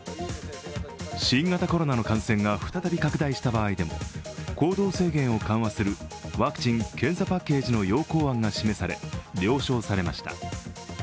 新型コロナの感染が再び拡大した場合でも行動制限を緩和するワクチン・検査パッケージの要綱案が示され、了承されました。